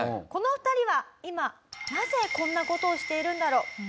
この２人は今なぜこんな事をしているんだろう？